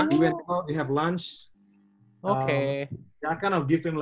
kita pergi makan tengah hari